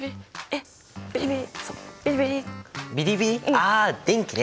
あ電気ね！